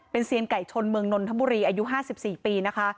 เป็นเซียนไก่ชนเมืองนนทบุรีอายุ๕๔ปีนะคะ